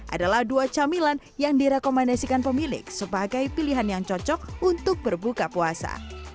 adalah dua camilan yang direkomendasikan pemilik sebagai pilihan yang cocok untuk berbuka puasa